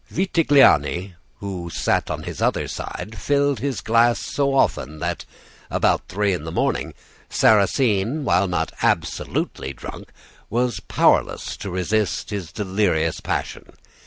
Vitagliani, who sat on his other side, filled his glass so often that, about three in the morning, Sarrasine, while not absolutely drunk, was powerless to resist his delirious passion.